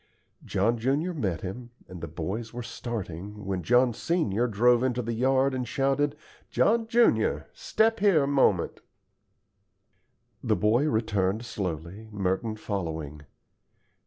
John junior met him, and the boys were starting, when John senior drove into the yard and shouted, "John junior, step here a moment." The boy returned slowly, Merton following.